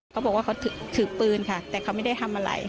เขาบอกว่าเขาถือปืนค่ะแต่เขาไม่ได้ทำอะไร